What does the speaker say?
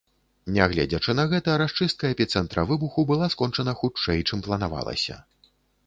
Нягледзячы на гэта, расчыстка эпіцэнтра выбуху была скончана хутчэй, чым планавалася.